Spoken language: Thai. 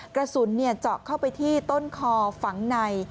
กระสุนเจาะเข้าไปที่ต้นคอฝังใน